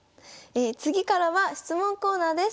次からは質問コーナーです。